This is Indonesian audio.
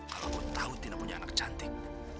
kalau aku tahu tina punya anak cantik